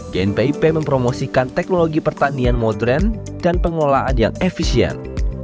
gnpip mempromosikan teknologi pertanian modern dan pengelolaan yang efisien